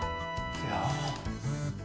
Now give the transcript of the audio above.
いや。